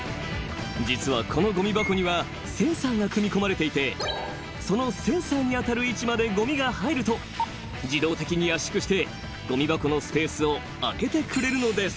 ［実はこのごみ箱にはセンサーが組み込まれていてそのセンサーに当たる位置までごみが入ると自動的に圧縮してごみ箱のスペースを空けてくれるのです］